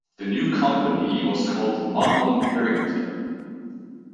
The new company was called Marmon-Herrington.